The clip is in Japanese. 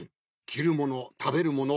きるものたべるもの